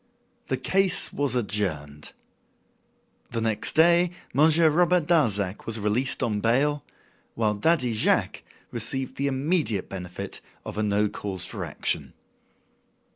The case was adjourned. The next day Monsieur Robert Darzac was released on bail, while Daddy Jacques received the immediate benefit of a "no cause for action."